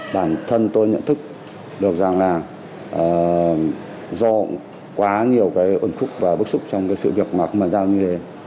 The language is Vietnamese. bản thân tôi nhận thức được rằng là do quá nhiều cái ổn khúc và bức xúc trong cái sự việc mà giao như thế